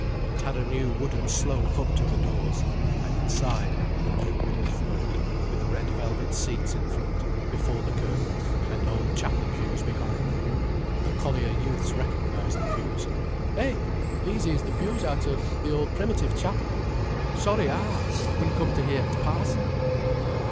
It had a new wooden slope up to the doors—and inside, a new wooden floor, with red velvet seats in front, before the curtain, and old chapel pews behind. The collier youths recognized the pews. "Hey! These 'ere's the pews out of the old Primitive Chapel." "Sorry ah! We'n come ter hear t' parson."